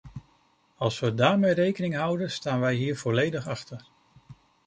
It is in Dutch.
Als we daarmee rekening houden staan wij hier volledig achter.